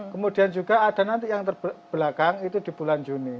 kemudian juga ada nanti yang terbelakang itu di bulan juni